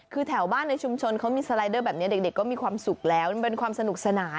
คือแถวบ้านในชุมชนเขามีสไลเดอร์แบบนี้เด็กก็มีความสุขแล้วมันเป็นความสนุกสนาน